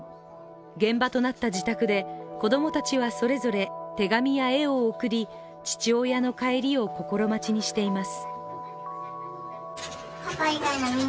現場となった自宅で子供たちはそれぞれ手紙や絵を送り、父親の帰りを心待ちにしています。